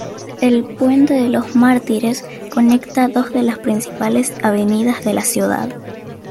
El Puente de los Mártires conecta dos de las principales avenidas de la ciudad.